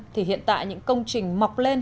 thì hiện tại những công trình mọc lên